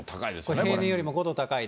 これ平年よりも５度高い。